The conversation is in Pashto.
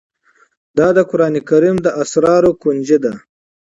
دا د قرآن کريم د اسرارو كونجي ده